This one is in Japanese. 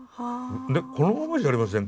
でこのままじゃありませんか？